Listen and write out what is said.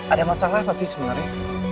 ada masalah pasti sebenernya